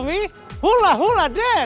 kita kesini bukan mau joget loh om